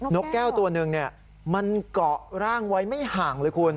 กแก้วตัวหนึ่งมันเกาะร่างไว้ไม่ห่างเลยคุณ